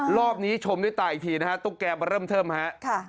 รอบนี้ชมด้วยตาอีกทีนะฮะตุ๊กแกมาเริ่มเทิมฮะ